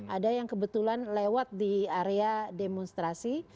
ada yang kebetulan lewat di area demonstrasi